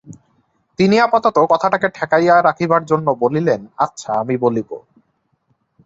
তিনি আপাতত কথাটাকে ঠেকাইয়া রাখিবার জন্য বলিলেন, আচ্ছা, আমি বলিব।